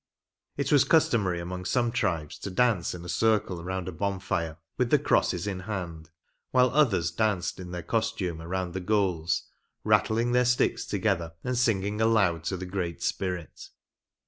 It was customary among some tribes to dance in a circle around a bonfire, with the crosses in hand ; while others danced in their costume around the goals, rattling their sticks together and singing aloud C i 'f ‚Ė† m 18 Till!) ORIGINAL GAME. to tho Great Spirit.